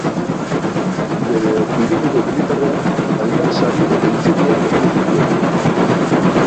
Bere ibilbide militarrean hainbat sari eta intsignia lortu zituen.